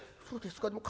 「そうですか？